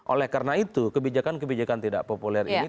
oleh karena itu kebijakan kebijakan tidak populer ini